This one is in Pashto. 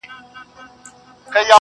زما پر زړه لګي سیده او که کاږه وي-